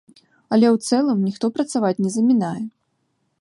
Але ў цэлым, ніхто працаваць не замінае.